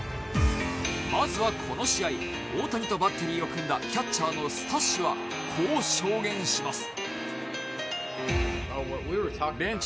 まずはこの試合大谷とバッテリーを組んだキャッチャーのスタッシはこう証言します。